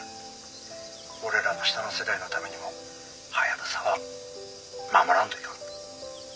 「俺らの下の世代のためにもハヤブサは守らんといかん」